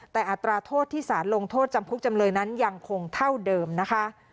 แต่อัตราโทษที่สารลงโทษจำคุกจำเลยนั้นยังคงเท่าเดิมนะคะ